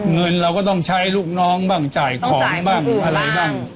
เงินเราก็ต้องใช้ลูกน้องบ้างจ่ายของบ้างอะไรบ้าง